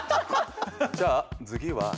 じゃあ次は。